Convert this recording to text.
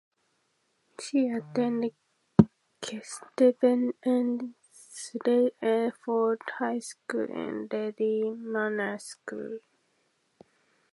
She attended Kesteven and Sleaford High School and Lady Manners School.